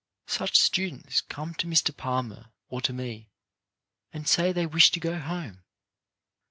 Such students come to Mr. Palmer or to me, and say they wish to go home.